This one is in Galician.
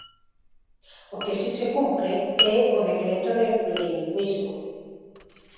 O que si se cumpre é o Decreto de plurilingüismo.